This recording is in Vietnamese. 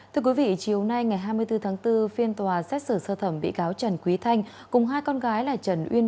thưa quý vị chiều nay ngày hai mươi bốn tháng bốn phiên tòa xét xử sơ thẩm bị cáo trần quý thanh cùng hai con gái là trần uyên